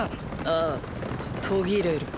ああ途切れる。